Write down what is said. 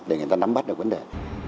để người ta nắm bắt được vấn đề